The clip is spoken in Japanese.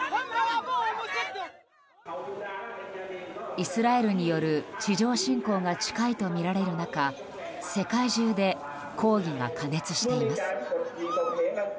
イスラエルによる地上侵攻が近いとみられる中世界中で抗議が過熱しています。